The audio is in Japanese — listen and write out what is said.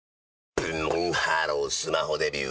ブンブンハロースマホデビュー！